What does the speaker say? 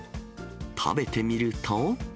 食べてみると。